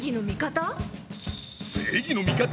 正義の味方？